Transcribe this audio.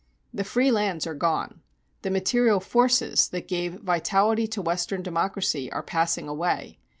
The free lands are gone. The material forces that gave vitality to Western democracy are passing away.